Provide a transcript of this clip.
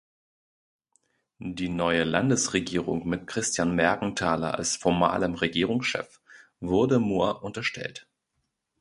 Die neue Landesregierung mit Christian Mergenthaler als formalem Regierungschef wurde Murr unterstellt.